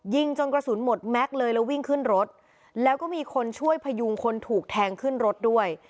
ยิงจนกระสุนหมดแม็กซ์เลยแล้ววิ่งขึ้นรถแล้วก็มีคนช่วยพยุงคนถูกแทงขึ้นรถด้วย